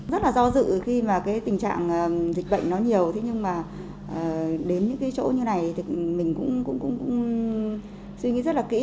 rất là do dự khi mà cái tình trạng dịch bệnh nó nhiều thế nhưng mà đến những cái chỗ như này thì mình cũng suy nghĩ rất là kỹ